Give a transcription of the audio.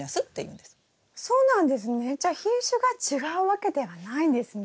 じゃあ品種が違うわけではないんですね。